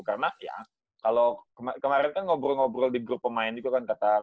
karena ya kalau kemarin kan ngobrol ngobrol di grup pemain juga kan